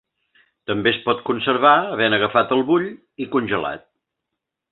També es pot conservar havent agafat el bull i congelat.